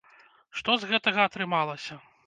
Што з гэтага атрымалася?